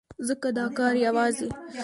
ځکه دا کار يوازې